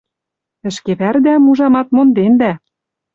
Ӹшке вӓрдӓм, ужамат, мондедӓ.